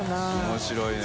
面白いね。